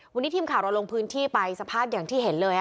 วันนี้ทีมข่าวเราลงพื้นที่ไปสภาพอย่างที่เห็นเลย